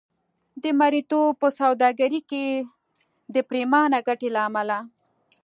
د مریتوب په سوداګرۍ کې د پرېمانه ګټې له امله.